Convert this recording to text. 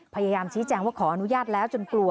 พยายามชี้แจงว่าขออนุญาตแล้วจนกลัว